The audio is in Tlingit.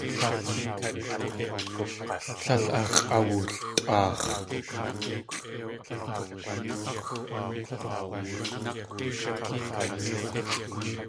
Tlél ax̲ʼawultʼaax̲.